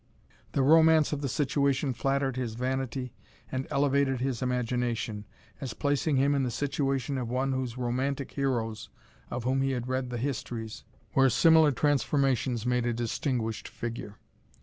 The romance of the situation flattered his vanity and elevated his imagination, as placing him in the situation of one of those romantic heroes of whom he had read the histories, where similar transformations made a distinguished figure.